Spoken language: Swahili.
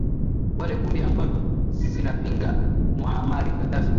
wale kundi ambavyo sinapinga muhamar gadaffi